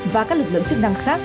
và các lực lượng chức năng khác